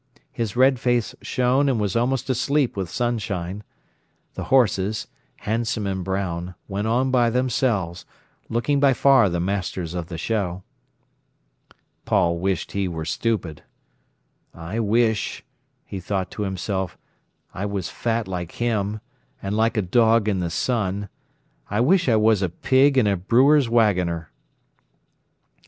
His red face shone and was almost asleep with sunshine. The horses, handsome and brown, went on by themselves, looking by far the masters of the show. Paul wished he were stupid. "I wish," he thought to himself, "I was fat like him, and like a dog in the sun. I wish I was a pig and a brewer's waggoner."